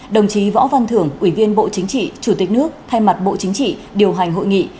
đồng chí võ văn thưởng ủy viên bộ chính trị chủ tịch nước thay mặt bộ chính trị điều hành hội nghị